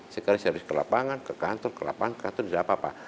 sekarang saya harus ke lapangan ke kantor ke lapangan ke kantor tidak apa apa